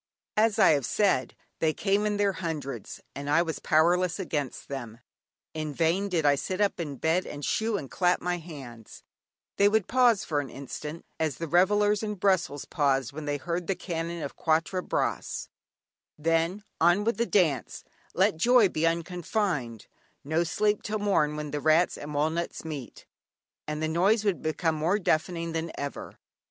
As I have said, they came in their hundreds, and I was powerless against them. In vain did I sit up in bed and "shoo" and clap my hands, they would pause for an instant, as the revellers in Brussels paused when they heard the cannon of Quatre Bras, then: "On with the dance let joy be unconfined, no sleep till morn when rats and walnuts meet," and the noise would become more deafening than ever.